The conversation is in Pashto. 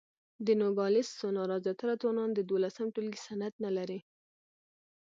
د نوګالس سونورا زیاتره ځوانان د دولسم ټولګي سند نه لري.